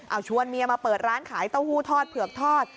เอาชวนเมียมาเปิดร้านขายเต้าหู้ทอดเผือกทอด